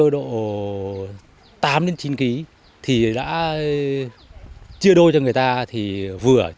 tám đến chín ký thì đã chia đôi cho người ta thì vừa